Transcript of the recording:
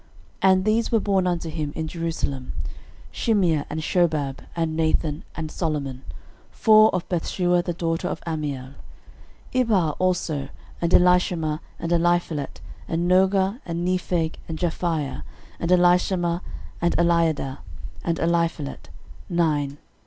13:003:005 And these were born unto him in Jerusalem; Shimea, and Shobab, and Nathan, and Solomon, four, of Bathshua the daughter of Ammiel: 13:003:006 Ibhar also, and Elishama, and Eliphelet, 13:003:007 And Nogah, and Nepheg, and Japhia, 13:003:008 And Elishama, and Eliada, and Eliphelet, nine.